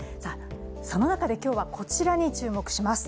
その中で今日はこちらに注目します。